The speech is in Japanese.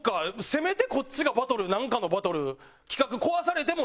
せめてこっちがバトルなんかのバトル企画壊されてもできるのか？